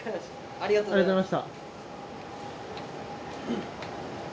ありがとうございます。